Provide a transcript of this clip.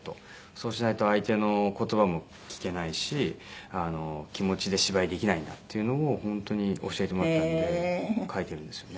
そうしないと相手の言葉も聞けないし気持ちで芝居できないんだっていうのを本当に教えてもらったんで書いているんですよね。